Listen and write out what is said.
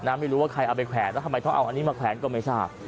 ไม่รู้ว่าใครเอาไปแขวนแล้วทำไมต้องเอาอันนี้มาแขวนก็ไม่ทราบ